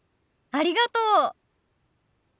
ありがとう。